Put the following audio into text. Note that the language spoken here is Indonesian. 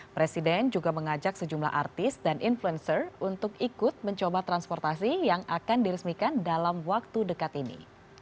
presiden juga mengajak sejumlah artis dan influencer untuk ikut mencoba transportasi yang akan diresmikan dalam waktu dekat ini